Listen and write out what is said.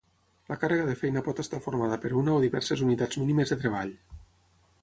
La càrrega de feina pot estar formada per una o diverses unitats mínimes de treball.